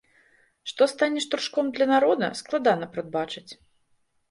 Што стане штуршком для народа, складана прадбачыць.